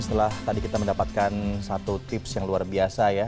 setelah tadi kita mendapatkan satu tips yang luar biasa ya